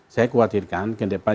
saya khawatirkan ke depan